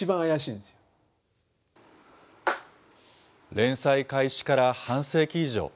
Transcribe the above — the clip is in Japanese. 連載開始から半世紀以上。